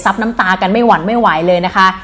น้ำตากันไม่หวั่นไม่ไหวเลยนะคะ